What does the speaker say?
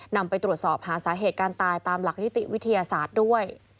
นำไปตรวจสอบหาสาเหตุการตายตามหลักนิติวิทยาศาสตร์ด้วย